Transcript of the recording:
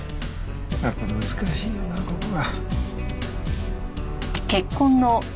やっぱり難しいよなここは。